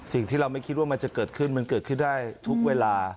สิ่งที่เราไม่คิดว่ามันจะเกิดขึ้นมันเกิดขึ้นได้ทุกเวลา